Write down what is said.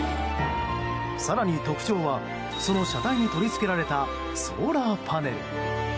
更に特徴は、その車体に取り付けられたソーラーパネル。